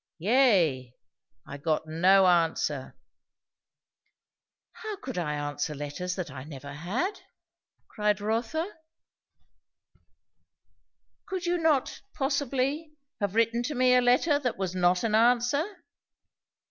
"Yea. I got no answer." "How could I answer letters that I never had?" cried Rotha. "Could you not, possibly, have written to me a letter that was not an answer?"